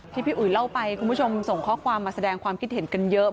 พี่อุ๋ยเล่าไปคุณผู้ชมส่งข้อความมาแสดงความคิดเห็นกันเยอะ